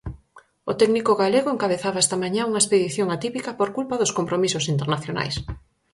O técnico galego encabezaba esta mañá unha expedición atípica por culpa dos compromisos internacionais.